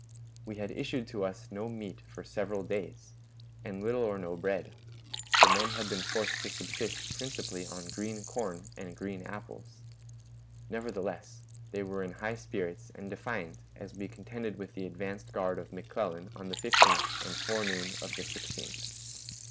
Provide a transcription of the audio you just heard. We had had issued to us no meat for several days, and little or no bread; the men had been forced to subsist principally on green corn and green apples. Nevertheless, they were in high spirits and defiant as we contended with the advanced guard of McClellan on the 15th and forenoon of the 16th.